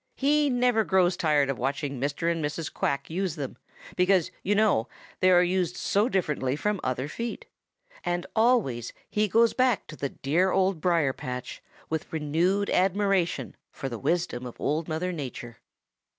He never grows tired of watching Mr. and Mrs. Quack use them, because, you know, they are used so differently from other feet. And always he goes back to the dear Old Briar patch with renewed admiration for the wisdom of Old Mother Nature.